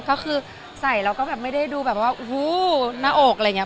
ก็คือใส่เราก็ไม่ได้ดูเป็นว่าโหหน้าโอกมันแบนไปหมด